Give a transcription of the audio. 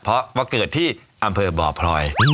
เพราะว่าเกิดที่อำเภอบ่อพลอย